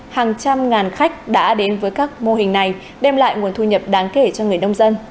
hàng trăm ngàn khách đã đến với các mô hình này đem lại nguồn thu nhập đáng kể cho người nông dân